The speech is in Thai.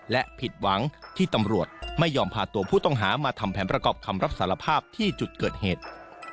และผิดหวังที่ตำรวจไม่ยอมพาตัวผู้ต้องหามาทำแผนประกอบคำรับสารภาพที่จุดเกิดเหตุ